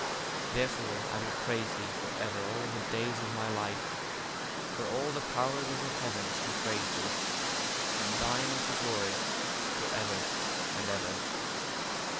Therefore I will praise thee for ever all the days of my life: for all the powers of the heavens do praise thee, and thine is the glory for ever and ever.